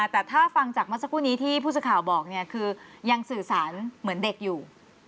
แต่ถ้าฟังจากเมื่อสักครู่นี้ที่ผู้สื่อข่าวบอกเนี่ยคือยังสื่อสารเหมือนเด็กอยู่